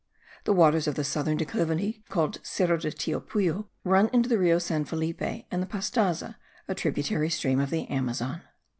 The waters of the southern declivity, called Cerro de Tiopullo, run into the Rio San Felipe and the Pastaza, a tributary stream of the Amazon.